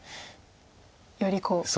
よりこう。